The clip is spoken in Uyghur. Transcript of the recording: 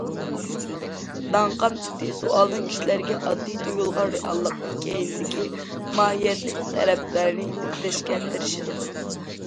داڭقان پۇتى سوئالدىن كىشىلەرگە ئاددىي تۇيۇلغان رېئاللىقنىڭ كەينىدىكى ماھىيەتلىك تەرەپلەرنى ئىزدەشكە تىرىشىدۇ.